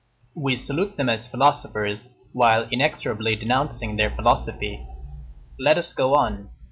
We salute them as philosophers, while inexorably denouncing their philosophy. Let us go on.